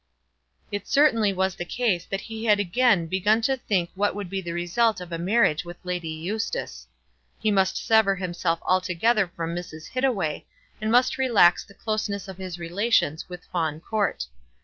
It certainly was the case that he had again begun to think what would be the result of a marriage with Lady Eustace. He must sever himself altogether from Mrs. Hittaway, and must relax the closeness of his relations with Fawn Court.